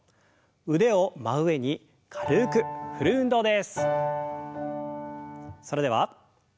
腕を真上に軽く振る運動です。